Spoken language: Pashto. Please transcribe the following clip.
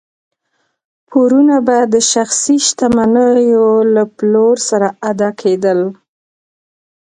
پورونه به د شخصي شتمنیو له پلور سره ادا کېدل.